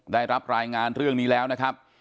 ได้รับรายงานเรื่องนี้แล้วนะครับ